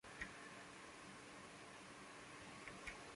La presentación figuró en los álbumes de vídeo "Who's That Girl?